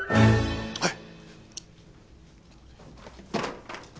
はい。